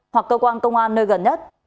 hoặc cơ quan công an nơi gần nhất